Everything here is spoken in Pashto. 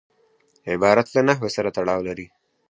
عبارت له نحو سره تړاو لري.